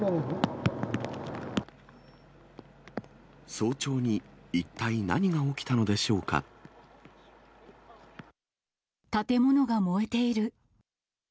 早朝に一体何が起きたのでし建物が燃えている。